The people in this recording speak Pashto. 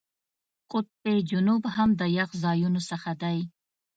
قطب جنوب هم د یخ ځایونو څخه دی.